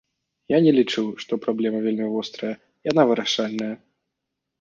Я не лічу, што праблема вельмі вострая, яна вырашальная.